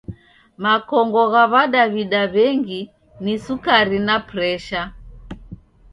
Makongo gha w'adaw'ida w'engi ni Sukari na Presha.